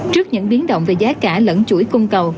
trước những biến động về giá cả lẫn chuỗi cung cầu